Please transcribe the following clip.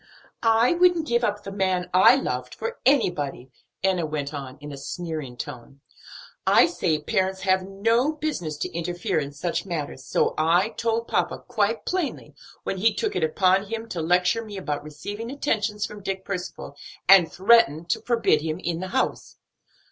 "I wouldn't give up the man I loved for anybody," Enna went on in a sneering tone. "I say parents have no business to interfere in such matters; and so I told papa quite plainly when he took it upon him to lecture me about receiving attentions from Dick Percival, and threatened to forbid him the house."